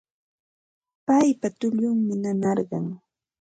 Paypa tullunmi nanarqan